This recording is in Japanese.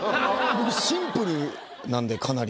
僕シンプルなんでかなり。